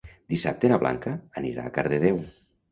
Dissabte na Blanca anirà a Cardedeu.